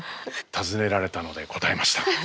尋ねられたので答えました。